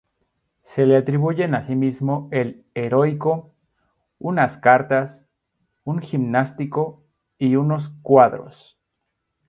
Se le atribuyen asimismo el "Heroico", unas "Cartas", un "Gimnástico" y unos "Cuadros".